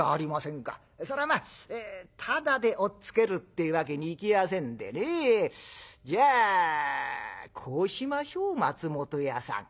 それはまぁただで押っつけるってわけにいきやせんでねじゃあこうしましょう松本屋さん。